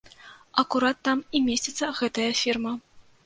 Акурат там і месціцца гэтая фірма.